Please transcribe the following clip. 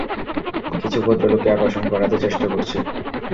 কিছু ভদ্র ছেলেকে আকর্ষণ করাতে চেষ্টা করছি।